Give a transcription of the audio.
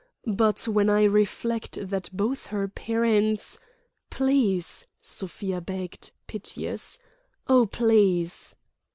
But when I reflect that both her parents—" "Please!" Sofia begged, piteous. "Oh, please!"